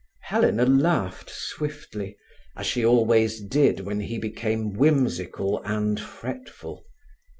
Helena laughed swiftly, as she always did when he became whimsical and fretful.